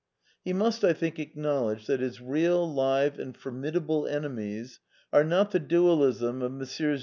He must, I think, acknowledge that his real, live, and formidable enemies are, not the Dualism of ^^ Messrs.